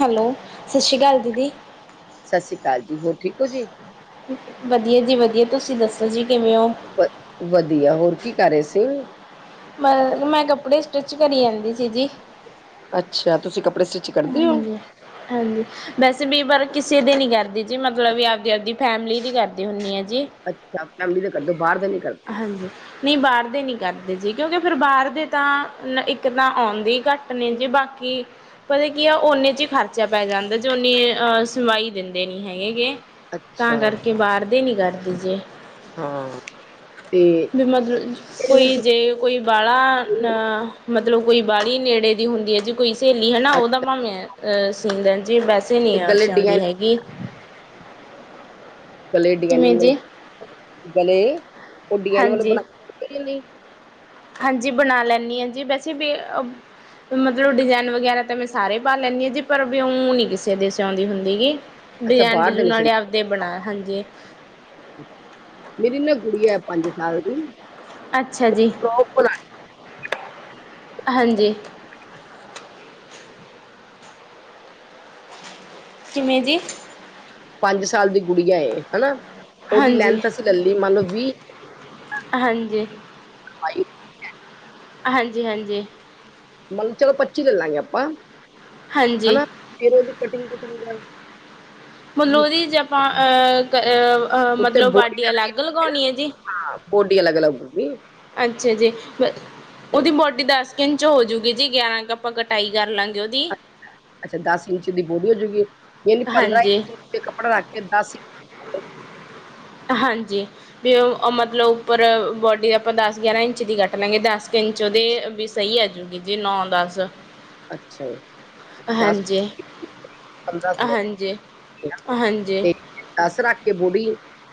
Hello ਸਤਿ ਸ਼੍ਰੀ ਅਕਾਲ ਦੀਦੀ। ਸਤਿ ਸ਼੍ਰੀ ਅਕਾਲ ਜੀ ਹੋਰ ਠੀਕ ਹੋ ਜੀ। ਵਧੀਆ ਜੀ ਵਧੀਆ ਤੁਸੀਂ ਦੱਸੋ ਜੀ ਕਿਵੇਂ ਹੋ। ਵਧੀਆ ਹੋਰ ਕੀ ਕਰ ਰਹੇ ਸੀ। ਮੈਂ ਮੈਂ ਕੱਪੜੇ ਸਟਿਚ ਕਰੀ ਆਦੀ ਸੀ ਜੀ। ਅੱਛਾ ਤੁਸੀਂ ਕੱਪੜੇ। ਕਰਦੇ ਹੋ? ਹਾਂਜੀ ਹਾਂਜੀ। ਵੈਸੇ ਵੀ ਪਰਾਰ ਕਿਸੇ ਦੀ ਨਹੀਂ ਕਰਦੀ ਜੀ ਮਤਲਬ ਵੀ ਆਪਦੀ ਆਪਦੀ ਫੈਮਿਲੀ ਦੀ ਕਰਦੀ ਹੁੰਦੀ ਹ ਜੀ। ਅੱਛਾ ਫੈਮਿਲੀ ਦੇ ਕਰਦੇ ਬਾਹਰ ਦਾ ਨੀ ਕਰਦੇ। ਹਾਂਜੀ। ਨਹੀਂ ਬਾਹਰ ਦੇ ਨਹੀਂ ਕਰਦੇ ਜੀ ਕਿਉਂਕਿ ਫਿਰ ਬਾਹਰ ਦੇ ਤਾਂ ਇੱਕ ਤਾਂ ਆਉਂਦੇ ਹੀ ਘੱਟ ਨੇ ਜੀ ਬਾਕੀ। ਪਤਾ ਕੀ ਆ ਓਨੇ 'ਚ ਹੀ ਖਰਚਾ ਪੈ ਜਾਂਦਾ ਜੋ ਓਨੀੇ ਸੁਵਾਈ ਦਿੰਦੇ ਨਹੀਂ ਹੈਗੇਗੇ। ਅੱਛਾ, ਤਾਂ ਕਰਕੇ ਬਾਹਰ ਦੇ ਨੀ ਕਰਦੀ ਜੇ। ਹਾਂ। ਤੇ ਵੀ ਮਤਲਬ ਹੁਣ ਕੋਈ ਜੇ। ਕੋਈ ਬਾ ਅ ਮਤਲਬ ਕੋਈ ਬਲੀ ਨੇੜੇ ਦੀ ਹੁੰਦੀ ਹੈ ਜੀ ਕੋਈ ਸਹੇਲੀ। ਹੈ ਨਾ ਉਹਦਾ ਭਾਵੇਂ ਸੀਂ ਦੇਣ ਜੀ ਵੈਸੇ ਤੇ ਨਹੀਂ ਗਲੇ ਸੀਉਂਦੀ ਡਿਜ਼ਾਇਨ, ਹੈਗੀ। ਗਲੇ ਕਿਵੇਂ ਜੀ ਡਗਨਗਬ ਗਲੇ ਉਹਡੀਆਂਲਬ ਹਾਂਜੀ ਬਣਾ ਨਹੀਂ। ਹਾਂਜੀ ਬਣਾ ਲੈਂਦੀ ਹਾਂ ਜੀ ਵੈਸੇ ਵੀ। ਮਤਲਬ ਡਿਜ਼ਾਇਨ ਵਗੈਰਾ ਤਾਂ ਮੈਂ ਸਾਰੇ ਪਾ ਲੈਂਦੀ ਹਾਂ ਜੀ ਪਰ ਵੀਉਂ ਨੀ ਕਿਸੇ ਦੇ ਸਿਉਂਦੀ ਹੁੰਦੀ ਗੀ। ਅੱਛਾ ਡਿਜ਼ਾਇਨ ਬਾਹਰ ਦੇ ਡਿਜੂਨ ਨਹੀਂ ਸੀ, ਵਾਲੇ ਆਪਦੇ ਬਣਾ ਹਾਂਜੀ। ਮੇਰੀ ਨਾ ਗੁੜੀਆਂ ਹੈ ਪੰਜ ਸਾਲ ਦੀ। ਅੱਛਾ ਜੀ। ਤਾਂ ਉਹ ਭਲਾ। ਹਾਂਜੀ। ਕਿਵੇਂ ਜੀ। ਪੰਜ ਸਾਲ ਦੀ ਗੁੜੀਆਂ ਏ ਹਨਾ। ਉਹਦੀ ਹਾਂਜੀ ਲੈਂਥ ਅਸੀਂ ਲੈ ਲਈ ਮੰਨ ਲਓ ਵੀਹ। ਹਾਂਜੀ। ਬਾਈ। ਹਾਂਜੀ- ਹਾਂਜੀ। ਮਨ ਚਲੋ ਪੱਚੀ ਲੈ ਲਾਂਗੇ ਆਪਾਂ ਹਾਂਜੀ ਹਨਾ ਫੇਰ ਉਹ ਦੀ ਕਟਿੰਗ- ਕੁਟਿੰਗ ਦਾ। ਹੁਣ ਵੀ ਉਹਦੀ ਜੇ ਆਪਾਂ ਅਹ ਉੱਤੇ ਮਤਲਬ ਵਾਢੀ ਅਲੱਗ ਲਗਾਉਣੀ ਹੈ ਜੀ। ਬੋਢੀ ਅਲੱਗ- ਅਲੱਗ ਹੋ ਗਈ। ਅੱਛਾ ਜੀ ਉਹਦੀ ਬੋਡੀ ਦਸ। ਦਸ ਕੁ ਇੰਚ ਹੋਜੂਗੀ ਜੀ ਗਿਆਰਾਂ ਕੁ ਆਪਾਂ ਕਟਾਈ ਕਰ ਲਾਂਗੇ ਉਹਦੀ। ਅੱਛਾ ਦਸ ਇੰਚ ਦੀ ਬੋਢੀ ਹੋਜੂਗੀ। ਯਾਨੀ ਪੰਦਰਾਂ ਹਾਂਜੀ ਇੰਚ ਤੇ ਕੱਪੜਾ ਰੱਖ ਕੇ ਦਸ। ਹਾਂਜੀ ਵੀ ਉਹ ਮਤਲਬ ਉੱਪਰ ਬੋਡੀ ਆਪਾਂ ਦਸ, ਗਿਆਰਾਂ ਇੰਚ ਦੀ ਕੱਟ ਲਾਂਗੇ ਦਸ ਦਸ ਕੁ ਇੰਚ ਉਹਦੇ ਵੀ ਸਹੀ ਆ ਜੂਗੀ ਜੀ ਵੀ ਨੌ- ਦਸ। ਅੱਛਾ ਦਸ ਹਾਂਜੀ [unintelligible] ਪੰਦਰਾਂ ਕੁ ਲੈਲੇ ਹਾਂਜੀ ਹਨਾ ਹਾਂਜੀ ਤੇ। ਦਸ ਰੱਖ ਕੇ ਬੋਢੀ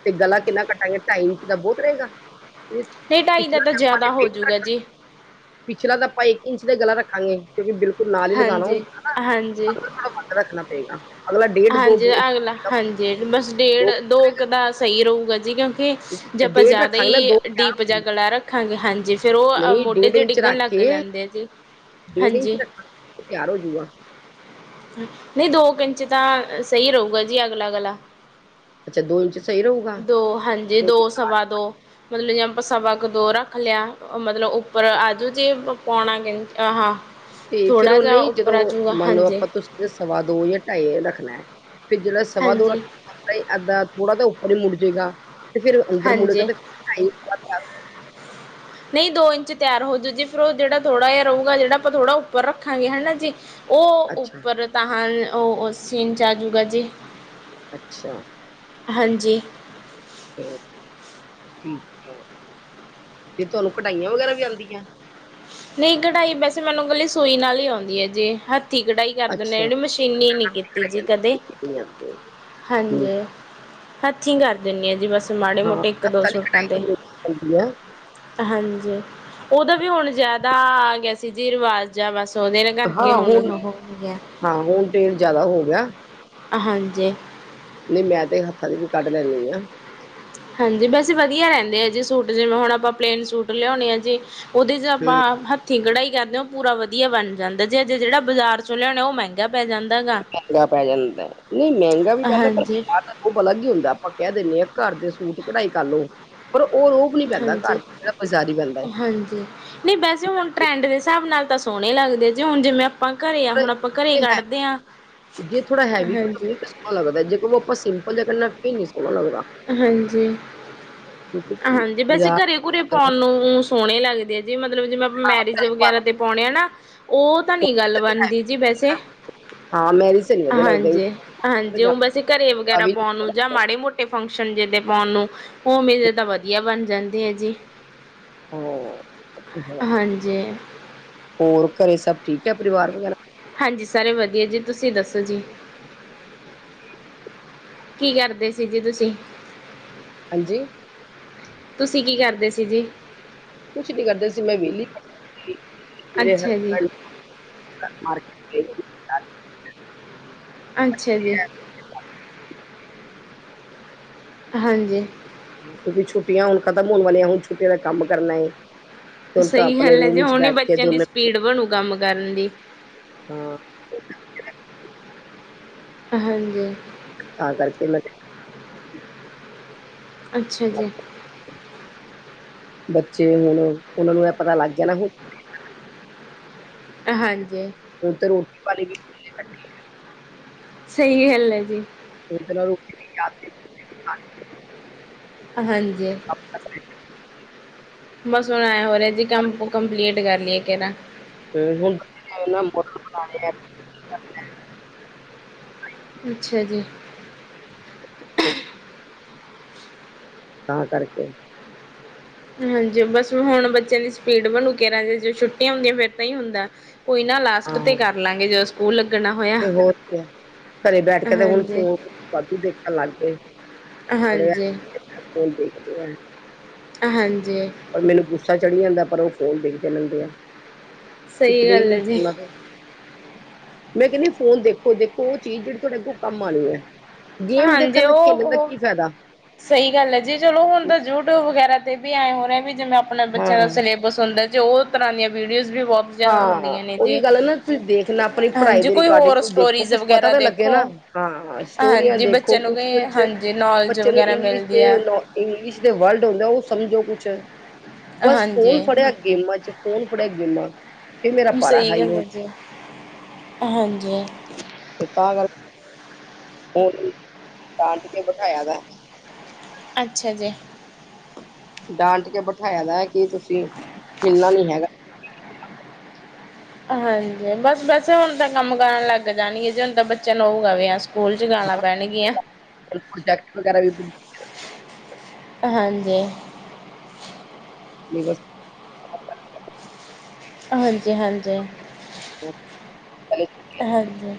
ਤੇ ਗਲਾ ਕਿੰਨਾ ਕੱਟਾਂਗੇ ਢਾਈ ਇੰਚ ਦਾ ਬਹੁਤ ਰਹੇਗਾ। ਨਹੀਂ ਢਾਈ ਦਾ ਪਿਛਲਾ ਤਾਂ ਆਪਾਂ ਜ਼ਿਆਦਾ ਡੇਢ ਹੋਜੂਗਾ ਜੀ ਕੱਟਣਾ, ਪਿਛਲਾ ਤਾਂ ਆਪਾਂ ਇੱਕ ਇੰਚ ਦਾ ਗਲਾ ਰੱਖਾਂਗੇ। ਕਿਉਂਕਿ ਬਿਲਕੁਲ ਨਾਲ ਹੀ ਲਗਾਉਣਾ ਹਾਂਜੀ ਹੋਊਗਾ ਨਾ ਹਾਂਜੀ ਆਪ ਨੂੰ ਥੋੜਾ ਵੱਧ ਰੱਖਣਾ ਪਏਗਾ। ਅਗਲਾ ਡੇਢ ਦੋ ਹਾਂਜੀ ਬੋ- ਅਗਲਾ ਹਾਂਜੀ ਬਸ ਡੇਢ ਦੋ ਕੁ ਦਾ ਸਹੀ ਰਹੇਗਾ ਜੀ, ਕਿਉਂਕਿ ਜੇ ਆਪਾਂ ਡੇਢ ਜ਼ਿਆਦਾ ਰੱਖਾਂਗੇ ਨਾ ਹੀ ਦੋ ਤਿਆਰ ਡੀਪ ਜਾਂ ਗਲਾ ਰੱਖਾਂਗੇ ਹਾਂਜੀ ਫੇਰ ਉਹ ਨਹੀਂ ਮੋਢੇ ਡੇਢ 'ਤੇ ਇੰਚ ਡਿੱਗਣ ਰੱਖ ਲੱਗ ਕੇ ਜਾਂਦੇ ਨੇ। ਜੀ। ਡੇਢ ਇੰਚ ਹਾਂਜੀ ਰੱਖਾਂ ਫੇਰ ਤਿਆਰ ਹੂਜੁਗਾ। ਨਹੀਂ ਦੋ ਕੁ ਇੰਚ ਦਾ ਸਹੀ ਰਹੂੰਗਾ ਜੀ ਅਗਲਾ ਗਲਾਂ। ਅੱਛਾ ਇੰਚ ਸਹੀ ਰਹੂਗਾ ਦੋ ਹਾਂਜੀ। ਜੇ ਫਿਰ ਦੋ, ਉਹਦੀ ਕਾਟ ਸਵਾ ਦੋ ਮਤਲਬ ਜੇ ਆਪਾਂ ਸਵਾ ਕੁ ਦੋ ਰੱਖ ਲਿਆ। ਮਤਲਬ ਉੱਪਰ ਆਜੂ ਜੇ ਪਾਉਣਾ ਕੁ ਇੰਚ ਹਾਂ। ਤੇ ਫੇਰ ਥੋੜ੍ਹਾ ਉਹ ਜਿਹਾ ਨਹੀਂ ਉੱਪਰ ਜਦੋਂ ਆਜੂਗਾ ਮੰਨ ਲਓ ਹਾਂਜੀ ਆਪਾਂ ਤੁਸੀਂ। ਤੇ ਸਵਾ ਦੋ, ਜਾਂ ਢਾਈ ਰੱਖਣਾ ਫੇਰ ਜਿਹੜਾ ਸਵਾ ਦੋ ਹਾਂਜੀ ਰੱਖਣਾ ਨਹੀਂ ਅਦਾਂ, ਪੋੜਾ ਤਾਂ ਉਪਰ ਹੀ ਮੁੜ ਜੇਗਾ ਤੇ ਫੇਰ ਅੰਦਰ ਮੁੜੇਗਾ ਹਾਂਜੀ ਤੇ ਢਾਈ ਨਹੀਂ ਦੋ ਇੰਚ ਤਿਆਰ ਹੋਜੂ ਜੇ ਫੇਰ ਉਹ ਜਿਹੜਾ ਥੋੜਾ ਜਿਹਾ ਰਹੂੰਗਾ ਜਿਹੜਾ ਆਪਾਂ ਥੋੜਾ ਉੱਪਰ ਰੱਖਗੇ ਹਨਾ ਜੀ। ਉਹ ਅੱਛਾ ਉੱਪਰ ਤਾਂ ਉਹ ਸੀਣ 'ਚ ਆ ਜੂਗਾ ਜੇ। ਅੱਛਾ। ਹਾਂਜੀ। ਠੀਕ ਹੈ ਫੇਰ ਤੁਹਾਨੂੰ ਕਢਾਈਆ ਵਗੈਰਾ ਵੀ ਆਉਂਦੀਆਂ ਹੈ। ਨਹੀਂ ਕਢਾਈ ਵੈਸੇ ਮੈਨੂੰ ਇੱਕਲੀ ਸੂਈ ਨਾਲ ਹੀ ਆਉਂਦੀ ਹੈ ਜੀ, ਹੱਥੀਂ ਕਢਾਈ। ਕਰ ਦਿੰਦੇ ਆ ਅੱਛਾ ਜਿਹੜੀ ਮਸ਼ੀਨੀ ਨੀ ਕੀਤੀ ਜੀ ਕਢਾਈਆਂ ਕਦੇ, ਨਹੀਂ ਆਉਂਦੀਆਂ ਹਾਂਜੀ। ਠੀਕ ਹੱਥੀਂ ਕਰ ਦਿੰਦੀ ਆ ਜੀ ਬਸ ਮਾੜੀ- ਹਾਂ ਮੋਟੇ ਇੱਕ ਦੋ ਹੱਥਾਂ ਦੀ ਸੂਟਾਂ ਤੇ। ਕਢਾਈ ਆਉਂਦੀ ਆ ਹਾਂਜੀ ਉਹਦਾ ਵੀ ਹੁਣ ਜ਼ਿਆਦਾ ਆ ਗਿਆ ਸੀ, ਜੀ ਰਿਵਾਜ਼। ਜਾਂ ਬਸ ਉਹਦੇ ਨਾਲ ਕਰਕੇ ਹੁਣ ਉਹੋ ਹੋ ਗਿਆ। ਹਾਂ ਹੁਣ ਤੇਲ ਜਿਆਦਾ ਹੋ ਗਿਆ। ਹਾਂਜੀ। ਨਹੀਂ ਮੈਂ ਤੇ ਹੱਥਾਂ ਤੇ ਵੀ ਕੱਢ ਲੈਂਦੀ ਆਂ। ਹਾਂਜੀ ਵੈਸੇ ਵਧੀਆ ਰਹਿੰਦੇ ਆ ਜੀ ਸੂਟ ਜਿਵੇਂ ਹੁਣ ਆਪਾਂ ਪਲੇਨ ਸੂਟ ਲਿਆਉਣੇ ਆ ਜੇ। ਉਹਦੇ ਜਾ ਹੂੰ ਆਪ ਹਥ ਥਿ ਕੜਾਈ ਹੀ ਕਰਦੇ ਹੋ ਉਹ ਪੂਰਾ ਵਧੀਆ ਬਣ ਜਾਂਦਾ ਜੇ ਅਜੇ ਜਿਹੜਾ ਬਾਜ਼ਾਰ ਚੋਂ ਲਿਆ ਹੋਣਾ ਉਹ ਮਹਿੰਗਾ ਪੈ ਜਾਂਦਾ ਹੈਗਾ। ਕੱਪੜਾ ਪਾਇਆ ਉਹਨਾਂ ਨੇ, ਨਹੀਂ ਮਹਿੰਗਾ ਵੀ ਪੈਂਦਾ ਪਰ ਹਾਂਜੀ ਰੋਬ ਆਲਾਗ ਹੀ ਹੁੰਦਾ, ਆਪਾਂ ਕਹਿ ਦਿੰਦੇ ਹਾਂ ਘਰ ਦੇ ਸੂਟ ਕਢਾਈ ਕਰ ਲਓ। ਪਰ ਉਹ ਰੋਹ ਨੀ ਪੈਂਦਾ ਘਰ, ਹਾਂਜੀ ਜਿਹੜਾ ਬਾਜ਼ਾਰੀ ਪੈਂਦਾ ਏ। ਹਾਂਜੀ। ਨਹੀਂ ਵੈਸੇ ਹੁਣ ਟਰੈਂਡ ਦੇ ਹਿਸਾਬ ਨਾਲ ਤਾਂ ਸੋਹਣੇ ਲੱਗਦੇ ਜੀ ਹੁਣ ਜਿਵੇਂ ਮੱਖਣ ਹੀ ਆ ਪਰ ਹੁਣ ਆਪਾਂ ਘਰੇ ਈ ਇਹ ਹੈ ਕੱਢਦੇ ਹਾਂ ਜੇ ਥੋੜਾ ਹੈਵੀ ਕੱਟੋ ਹਜੀ ਫਿਰ ਸੋਹਣਾ ਲੱਗਦਾ ਜੇ ਉਹ ਕਹੀ ਆਪਾਂ ਸਿੰਪਲ ਜਾਂ ਫਿਰ ਨੀ ਸੋਹਣਾ ਲੱਗਦਾ ਹਾਂਜੀ ਕਿਉਂਕਿ ਹਾਂਜੀ ਵੈਸੇ ਬਾਜ਼ਾਰ ਘਰੇ ਘੂਰੇ ਪਾਉਣ ਨੂੰ ਸੋਹਣੇ ਲੱਗਦੇ ਆ ਜੀ ਮਤਲਬ ਜਿਵੇਂ ਆਪਾ ਮੈਰਿਜ ਵਗੈਰਾ ਤੇ ਪਾਉਣੇ ਆ ਨਾ ਉਹ ਤਾਂ ਨੀ ਗੱਲ ਬਣਦੀ ਜੀ ਵੈਸੇ ਹਾਂ ਮੈਰਿਜ ਤੇ ਨੀ ਵਧੀਆ ਲੱਗਦੇ ਹਾਂਜੀ, ਹਾਂਜੀ ਉਹ ਜਾਂਦਾ ਵੈਸੇ ਘਰੇ ਵਗੈਰਾ ਵੀ ਨੀ ਪਾਉਣ ਨੂੰ ਜਾਂ ਮਾੜੇ ਮੋਟੇ ਫੰਕਸ਼ਨ ਜਿਹੇ ਤੇ ਪਾਉਣ ਨੂੰ ਉਵੇੇ ਦੇ ਤਾਂ ਵਧੀਆ ਬਣ ਜਾਂਦੇ ਐ ਜੀ ਹੋ ਇਥੇ ਜਰਾ ਹਾਂਜੀ ਹੋਰ ਘਰੇ ਸਭ ਠੀਕ ਹੈ ਪਰਿਵਾਰ ਵਗੈਰਾ ਹਾਂਜੀ ਸਾਰੇ ਵਧੀਆ ਜੀ ਤੁਸੀਂ ਦੱਸੋ ਜੀ? ਕੀ ਕਰਦੇ ਸੀ ਜੀ ਤੁਸੀਂ ਹਾਂਜੀ ਤੁਸੀਂ ਕੀ ਕਰਦੇ ਸੀ ਜੀ? ਕੁਛ ਨੀ ਕਰਦਾ ਸੀ ਕਿ ਮੈਂ ਵਿਹਲੀ ਮੇਰੇ ਅੱਛਾ ਜੀ ਹਸਬੈਂਡ ਹਾਂ ਮਾਰਟਕਿਟ ਗਏ ਸੀ ਅੱਛਾ ਜੀ ਹਾਂਜੀ ਕਿਉਂਕਿ ਛੁੱਟੀਆਂ ਹੁਣ ਖਤਮ ਹੋਣ ਵਾਲੀਆਂ ਹੁਣ ਛੁੱਟੀਆਂ ਦਾ ਕੰਮ ਕਰਨਾ ਏ। ਸਹੀ ਗੱਲ ਹੈ ਜੇ ਹੁਣ ਨਹੀਂ ਕੇ ਬੱਚਿਆਂ ਦੀ ਦੋਨੇ ਸਪੀਡ ਬਣੂ ਕੰਮ ਕਰਨ ਦੀ ਹਾਂ ਹਾਂਜੀ ਤਾਂ ਕਰਕੇ ਮੈਂ ਅੱਛਾ ਜੀ ਬੱਚੇ ਹੁਣ ਉਹਨਾਂ ਨੂੰ ਇਹ ਪਤਾ ਲੱਗ ਗਿਆ ਨਾ ਹੁਣ ਹਾਂਜੀ ਹੁਣ ਤੇ ਰੋਟੀ ਪਾਣੀ ਵੀ ਸਹੀ ਗੱਲ ਹੈ ਜੀ ਯਾਦ ਜੀ ਹਾਂਜੀ ਬਸ ਹੁਣ ਐ ਹੋ ਰਿਹਾ ਜੀ ਕੰਮ ਕੰਪਲੀਟ ਕਰ ਲਈਏ ਇਕ ਇਹਦਾ। ਤੇ ਹੁਣ ਇਨਾ ਮੂਰਖ ਬਣਾ ਰਹੇ ਆ। ਅੱਛਾ ਜੀ ਤਾਂ ਕਰਕੇ ਹਾਂਜੀ ਬਸ ਹੁਣ ਬੱਚਿਆਂ ਦੀ ਸਪੀਡ ਬਣੂ ਕੇ ਰ ਜ ਛੁੱਟੀਆਂ ਹੁੰਦੀਆਂ ਫਿਰ ਇਦਾਂ ਹੀ ਹੁੰਦਾ ਕੋਈ ਨਾ ਲਾਸਟ ਤੇ ਹਾਂ ਕਰ ਲਾਂਗੇ ਜਦੋਂ ਸਕੂਲ ਲੱਗਣਾ ਹੋਇਆ। ਤੇ ਹੋਰ ਕੀ ਹੈ ਘਰੇ ਬੈਠ ਕੇ ਤੇ ਹੁਣ ਹਾਂਜੀ, ਫੋਨ ਵਾਧੂ ਦੇਖਣ ਲੱਗ ਗਏ। ਹਾਂਜੀ ਉਹ ਫੋਨ ਦੇਖਦੇ ਆ ਹਾਂਜੀ ਪਰ ਮੈਨੂੰ ਗੁੱਸਾ ਚੜੀ ਜਾਂਦਾ ਪਰ ਉਹ ਫੋਨ ਦੇਖਦੇ ਰਹਿੰਦੇ ਆ ਸਹੀ ਦਿਖਦਾ ਹੀ ਗੱਲ ਹੈ ਨਹੀਂ ਜੀ। ਉਹਨਾਂ ਨੂੰ ਮੈਂ ਕਹਿੰਦੀ ਫੋਨ ਦੇਖ ਦੇਖੋ ਉਹ ਚੀਜ਼ ਜਿਹੜੀ ਤੁਹਾਡੇ ਅੱਗੋਂ ਕੰਮ ਆਉਣੀ ਹੈ ਗੇਮ ਹਾਂਜੀ ਦੇਖਣ ਉਹ, ਦਾ ਉਹ ਕੀ ਫਾਇਦਾ। ਸਹੀ ਗੱਲ ਹੈ ਜੀ ਚਲੋ ਹੁਣ ਤਾਂ ਯੂਟਿਊਬ ਵਗੈਰਾ ਤੇ ਵੀ ਆਏ ਹੋ ਰਹੇ ਵੀ ਜਿਵੇਂ। ਆਪਣਾ ਬੱਚਿਆਂ ਦਾ ਹਾਂ ਸਿਲੇਬਸ ਹੁੰਦਾ ਜੇ ਉਹ ਤਰ੍ਹਾਂ ਦੀਆਂ ਵੀਡੀਓਜ਼ ਵੀ ਬਹੁਤ। ਜ਼ਿਆਦਾ ਹਾਂ ਹੁੰਦੀਆਂ ਨੇ ਉਹੀ ਜੀ। ਗੱਲ ਨਾ ਤੁਸੀਂ ਦੇਖਣਾ ਆਪਣੀ ਪੜ੍ਹਾਈ ਹਾਂਜੀ ਦੇ ਕੋਈ ਰੇਗਾਰਡਿੰਗ ਹੋਰ ਤੁਸੀ ਦੇਖੋ ਸਟੋਰੀਜ਼ ਕੁਛ ਪਤਾ ਵਗੈਰਾ ਤਾਂ ਲੱਗੇ ਦੇਖੋ। ਨਾ। ਹਾਂਾਂ ਸਟੋਰੀਆਂ ਹਾਂਜੀ ਦੇਖੋ ਬੱਚਿਆਂ ਨੂੰ ਵੀ ਕੁਛ ਮਿਲਚ ਹਾਂਜੀ ਨੌਲੇਜ ਬੱਚੇ ਨੂੰ ਵਗੈਰਾ ਇੰਗਲਿਸ਼ ਮਿਲਦੀ ਦੇ। ਆ ਇੰਗਲਿਸ਼ ਦੇ ਵਰਡ ਹੁੰਦੇ ਉਹ ਸਮਝੋ ਕੁਛ ਬਸ ਹਾਂਜੀ। ਫੋਨ ਫੜਿਆ ਗੇਮਾਂ ਚ। ਫੋਨ ਫ਼ੜ੍ਹਿਆ ਗੇਮਾਂ। ਫਿਰ ਮੇਰਾ ਪਾਰਾ ਸਹੀ ਹਾਈ ਗੱਲ ਹੋ ਹੈ ਜੀ ਹਾਂਜੀ। ਤਾਂ ਗੱਲ। ਉਹੂੰ ਟਾਂਟ ਕੇ ਬਿਠਾਇਆ ਵਾ। ਅੱਛਾ ਜੀ। ਡਾਂਟ ਕੇ ਬਿਠਾਇਆ ਦਾ ਹੈ ਕੀ ਤੁਸੀਂ ਖੇਨਾ ਨੀ ਹੈਗਾ। ਹਾਂਜੀ ਬਸ ਵੈਸੇ ਹੁਣ ਤਾਂ ਕੰਮ ਕਰਨ ਲੱਗ ਜਾਣੀ ਹੈ ਜੇ ਹੁਣ ਤਾਂ ਬੱਚਾ ਨੂੰਹ ਗਵੇ ਆ। ਸਕੂਲ ਚ ਗਾਣਾ ਪੈਣਗੀਆਂ। ਪ੍ਰੋਜੈਕਟ ਵਗੈਰਾ ਵੀ ਹਾਂਜੀ। ਨਸ। ਹਾਂਜੀ ਹਾਂਜੀ ਹਾਂਜੀ।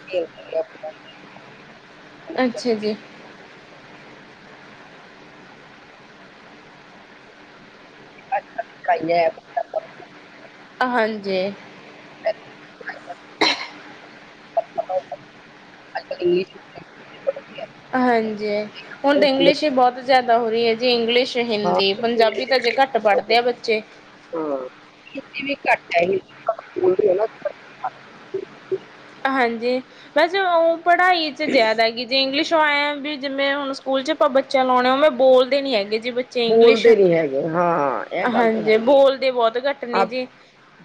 ਠੀਕ। ਅੱਛਾ ਜੀ। ਅੱਛਾ ਅੱ ਖਾ। ਹਾਂਜੀ। ਅੱਜ-ਕੱਲ ਇੰਗਲਿਸ਼ ਹਾਂਜੀ ਹੁਣ ਤਾਂ ਇੰਗਲਿਸ਼ ਹੀ ਬਹੁਤ ਜ਼ਿਆਦਾ ਹੋ ਰਹੀ ਹੈ ਜੀ ਇੰਗਲਿਸ਼। ਅੱ ਹਾਂ। ਹਿੰਦੀ ਪੰਜਾਬੀ ਤਾਂ ਅਜੇ ਘੱਟ ਪੜ੍ਹਦੇ ਆ ਬੱਚੇ। ਹਾਂ ਖਤੀ ਵੀ ਘੱਟ ਹੈ ਹੀ। ਹਾਂਜੀ ਬਸ ਉਹ ਪੜ੍ਹਾਈ 'ਚ ਜ਼ਿਆਦਾ ਹੈਗੀ ਜੇ ਇੰਗਲਿਸ਼। ਵੀ ਜਿਵੇਂ ਹੁਣ ਸਕੂਲ ਚ ਆਪਾਂ ਬੱਚਿਆਂ ਲਾਉਣੇ ਹੋਵੇਂ ਬੋਲਦੇ ਨੀ ਹੈਗੇ ਜੇ ਬ। ਬੋਲਦੇ ਨੀ ਹੈਗੇ ਹਾਂ ਇਹ ਗੱਲ ਤਾਂ ਹਾਂਜੀ ਹੈਗੀ ਹੈ ਬੋਲਦੇ ਬਹੁਤ ਘੱਟ ਨੇ ਆਪ। ਜੀ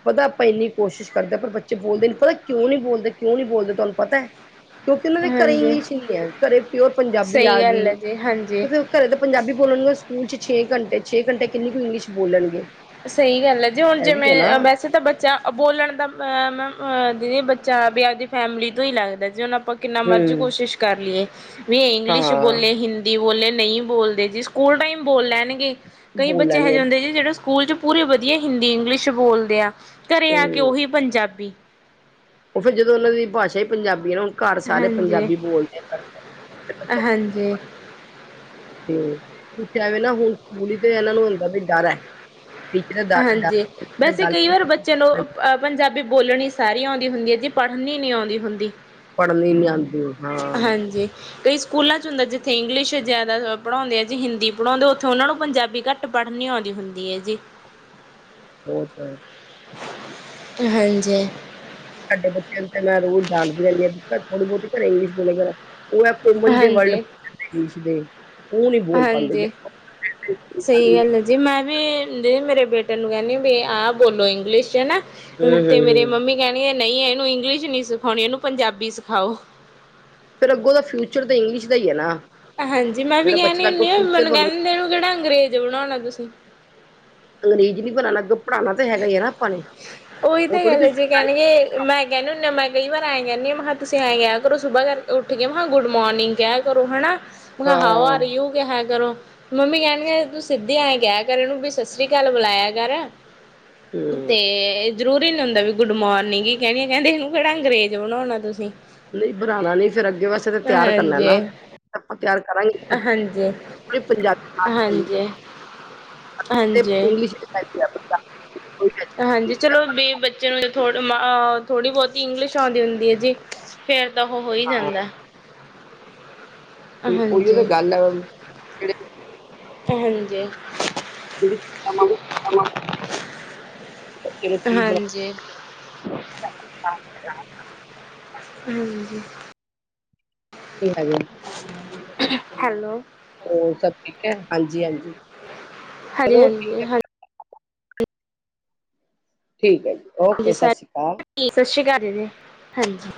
ਪਤਾ ਆਪਾਂ ਇੰਨੀ ਕੋਸ਼ਿਸ਼ ਕਰਦੇ ਹਾਂ ਪਰ ਬੱਚੇ ਬੋਲਦੇ ਨੀ ਪਤਾ ਕਿਉਂ ਨਹੀਂ ਬੋਲਦੇ ਕਿਉਂ ਨਹੀਂੀ ਬੋਲਦੇ ਤੁਹਾਨੂੰ ਪਤਾ ਹੈ। ਕਿਉਂਕਿ ਉਹਨਾਂ ਦੇ ਘਰੇ ਹਾਂਜੀ ਇੰਗਲਿਸ਼ ਨਹੀਂ ਹੈ ਘਰੇ ਪਿਓ ਪੰਜਾਬੀ ਸਹੀ ਆ ਗੱਲ ਗਈ। ਹੈ ਜੀ ਹਾਂਜੀ ਘਰੇ ਤਾਂ ਪੰਜਾਬੀੋ ਬੋਲਣਗੇ ਸਕੂਲ ਚ ਛੇ ਘੰਟੇ ਛੇ ਘੰਟੇ ਕਿੰਨੀ ਕੁਈ ਇੰਗਲਿਸ਼ ਬੋਲਣਗੇ। ਸਹੀ ਗੱਲ ਹੈ ਜੀ ਹੁਣ ਇਹ ਵੀ ਹੈ ਨਾ ਜਿਵੇਂ ਵੈਸੇ ਤਾਂ ਬੱਚਾ। ਬੋਲਣ ਦਾ ਮੈਮ ਦੀਦੀ ਬੱਚਾ ਵੀ ਆਪਦੀ ਫੈਮਿਲੀ ਤੋਂ ਹੀ ਲੱਗਦਾ ਜੇ ਹੁਣ ਆਪਾਂ। ਕਿੰਨਾ ਮਰਜ਼ੀ ਹੂੰ ਕੋਸ਼ਿਸ਼ ਕਰ ਲਈਏ ਵੀ ਇੰਗਲਿਸ਼ ਹਾਂ ਬੋਲੇ ਹਿੰ। ਬੋਲੇ ਨਹੀਂ ਬੋਲਦੇ ਜੀ ਸਕੂਲ ਟਾਈਮ ਬੋਲ ਲੈਣਗੇ ਕਈ ਬੱਚੇ ਇਹੋ ਬੋਲਣਗੇ ਜਿਹੇ ਹੁੰ ਜੀ ਜਿਹੜੇ। ਸਕੂਲ 'ਚ ਪੂਰੇ ਵਧੀਆ ਹਿੰਦੀ ਇੰਗਲਿਸ਼ ਬੋਲਦੇ ਆ ਘਰ ਆ ਕੇ ਹੂੰ। ਉਹੀ ਪੰਜਾਬੀ। ਉਹ ਫਿਰ ਜਦੋਂ ਉਹਨਾਂ ਦੀ ਭਾਸ਼ਾ ਹੀ ਪੰਜਾਬੀ ਨਾ। ਘਰ ਸਾਰੇ ਹਾਂਜੀ ਪੰਜਾਬੀ ਬੋਲਦੇ ਆ। ਹਾਂਜੀ ਤੇ ਪੁਛਿਆਵੇ ਨਾ ਹੁਣ ਸਕੂਲੀ ਤੇ ਇਹਨਾਂ ਨੂੰ ਹੁੰਦਾ ਵੀ ਡਰ ਹੈ। ਟੀਚਰ ਦਾ ਹਾਂਜੀ ਡ- ਡਰ ਵੈਸੇ ਗੱਲ ਕਈ ਵਾਰ ਬੱਚੇ ਨੂੰ ਪੰਜਾਬੀ ਬੋਲਣੀ ਸਾਰੀ ਆਉਂਦੀ ਹੁੰਦੀ ਹੈ ਜੀ ਪੜ੍ਹਨੀ ਨਹੀਂ ਆਉਂਦੀ ਹੁੰਦੀ। ਪੜ੍ਹਨੀ ਨੀ ਆਉਂਦੀ। ਹਾਂ ਹਾਂਜੀ। ਕਈ ਸਕੂਲਾਂ ਚ ਹੁੰਦਾ ਜਿੱਥੇ ਇੰਗਲਿਸ਼ ਜ਼ਿਆਦਾ ਪੜ੍ਹਾਉਂਦੇ ਆ ਜੇ ਹਿੰਦੀ ਪੜ੍ਹਾਉਂਦੇ ਉੱਥੇ ਉਹਨਾਂ ਨੂੰ ਪੰਜਾਬੀ ਘੱਟ। ਪੜ੍ਹਨੀ ਆਉਂਦੀ ਹੁੰਦੀ ਐ ਜੀ ਹੋਹੁ ਤਾਂ ਹੈ ਹਾਂਜੀ ਸਾਡੇ ਬੱਚਿਆਂ ਨੂੰ ਤੇ ਮੈਂ ਰੋਜ਼ ਡਾਂਟਦੀ ਰੈਂਦੀ ਹਾਂ ਥੋੜੀ ਬੋਤੀ ਘਰੇ ਇੰਗਲਿਸ਼ ਆ ਕਰ ਉਹ ਹੈ ਕੋਮਨ ਦੇ ਹਾਂਜੀ ਵਲਡਸ ਦੇ ਉਹ ਨਹੀਂ ਬੋਲ ਪਾਂਦੇ ਹਾਂਜੀ ਸਹੀ ਗੱਲ ਹੈ ਜੀ ਮੈਂ ਵੀ ਜੇ ਮੇਰੇ ਬੇਟੇ ਨੂੰ ਕੈਂਦੀ ਵੀ ਆਹ ਬੋਲੋ ਇੰਗਲਿਸ਼ 'ਚ ਹੈ ਨਾ ਹੂੰ ਤੇ ਮੇਰੇ ਹੂੰ ਮੰਮੀ ਕੈਣਗੇ ਨਹੀਂ ਇਹਨੂੰ ਇੰਗਲਿਸ਼ ਨੀ ਸਿਖਾਣੀ ਇਹਨੂੰ ਪੰਜਾਬੀ ਸਿਖਾਓ ਫੇਰ ਅੱਗੋਂ ਓਦਾ ਫਿਊਚਰ ਤਾਂ ਇੰਗਲਿਸ਼ ਦਾ ਹੀ ਹੈ ਨਾ ਹਾਂਜੀ ਮੈਂ ਵੀ ਜਿਹੜਾ ਬੱਚੇ ਦਾ ਕੈਨੀ ਅੱਗੋਂ ਹੁੰਦੀ ਆ ਫਿਊਚਰ ਮੈਨੂੰ ਕੈ ਬਣੂ ਦਿੰਦੇ ਇਹਨੂੰ ਕੇੜਾ ਅੰਗਰੇਜ ਬਣਾਣਾ ਤੁਸੀਂ ਅੰਗਰੇਜ਼ ਨੀ ਬਣਾਣਾ ਪੜੋਣਾ ਤਾਂ ਹੈਗਾ ਹੀ ਨਾ ਆਪਾਂ ਨੇ ਉਹ ਥੋੜੀ ਤੁਸੀ ਸਰਕਾਰੀ ਤੇ ਮੈਂ ਕੈਨੀ ਹੁੰਦੀ ਮੈਂ ਕਈ ਵਾਰ ਐਂ ਕੈਦੀ ਆ ਮ ਕਿਹਾ ਤੁਸੀਂ ਐਂ ਕੇਆ ਕਰੋ ਸੁਬਾਹ ਕਰਕੇ ਉੱਠ ਗ ਗੁੱਡ ਮੋਰਨਿੰਗ ਕੇਆ ਕਰੋ ਹਨਾ ਮੈਂ ਹਾਂ ਕਿਹਾ ਹੋ ਆਰ ਹੂੰ ਯੂ ਕੇਹਾ ਕਰੋ ਮੰਮੀ ਕੈਣਗੇ ਤੂੰ ਸਿੱਧੀ ਐਂ ਕੇਹਾ ਕਰ ਇਹ ਨੂੰ ਵੀ ਸਤਿ ਸ੍ਰੀ ਅਕਾਲ ਬੁਲਾਇਆ ਕਰ ਤੇ ਜ਼ਰੂਰੀ ਨੀ ਹੁੰਦਾ ਵੀ ਗੁੱਡ ਮੋਰਨਿੰਗ ਕੈਣੀ ਕੈਂਦੇ ਇਹਨੂੰ ਕੇੜਾ ਅੰਗਰੇਜ ਬਣਾਉਣਾ ਤੁਸੀਂ ਨਹੀਂ ਬਣਾਉਣਾ ਨੀ ਫੇਰ ਅੱਗੇ ਵਾਸਤੇ ਤਾਂ ਤਿਆਰ ਕਰ ਹਾਂਜੀ ਨਾ ਆਪਾਂ ਤਿਆਰ ਕਰਾਂਗੇ ਹਾਂਜੀ ਪ ਪੰਜਾਬੀ ਚ ਹਾਂਜੀ ਹਾਂਜੀ ਇੰਗਲਿਸ਼ ਹਾਂਜੀ ਚਲੋ ਵੀ ਬੱਚੇ ਨੂੰ ਥੋੜ ਮ ਥੋੜ੍ਹੀ ਬੋਤ ਇੰਗਲਿਸ਼ ਔਂਦੀ ਹੁੰਦੀ ਹੈ ਜੀ ਫੇਰ ਤਾਂ ਉਹ ਹੋ ਹੀ ਹਾਂ ਜਾਂਦਾ ਉਹੀ ਤਾਂ ਹਾਂਜੀ ਗੱਲ ਹੈ ਜੇੜੇ ਹਾਂਜੀ ਜਿਹੜੀ ਬੱਚੇ ਨੂੰ ਕੀ ਬਣਾ ਹਾਂਜੀ ਹਾਂ ਜ ਠੀਕ ਹੈ ਜੇ ਹੈਲੋ ਹੋਰ ਸਭ ਠੀਕ ਹੈ ਹਾਂਜੀ ਹਾਂਜੀ ਹਾਂਜੀ ਚਲੋ ਹਾਂਜੀ ਠੀਕ ਹੈ ਹਾਂਜੀ ਠੀਕ ਹੈ ਜੀ ਹਾਂਜੀ ਓਕੇ ਸਤਿ ਸਾਰੇ ਸ਼੍ਰੀ ਅਕਾਲ ਸਤਿ ਸ਼੍ਰੀ ਅਕਾਲ ਜ ਜ ਹਾਂਜੀ